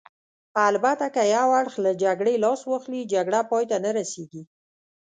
البته که یو اړخ له جګړې لاس واخلي، جګړه پای ته نه رسېږي.